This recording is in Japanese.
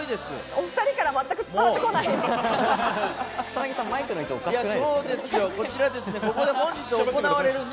お２人から全く伝わってこない。